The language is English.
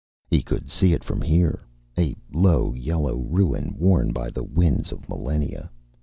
He could see it from here, a low yellow ruin worn by the winds of millennia.